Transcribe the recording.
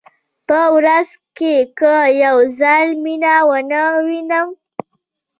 په ورځ کې که یو ځل مینه ونه وینم.